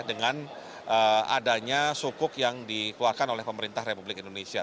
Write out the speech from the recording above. dengan adanya sukuk yang dikeluarkan oleh pemerintah republik indonesia